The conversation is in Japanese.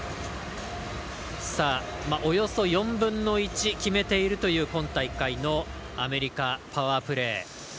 さあ、およそ４分の１決めているという今大会のアメリカのパワープレー。